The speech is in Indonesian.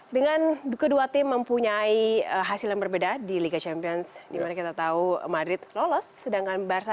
dengan kedua tim mempunyai hasil yang berbeda di liga champions dimana kita tahu madrid lolos sedangkan barca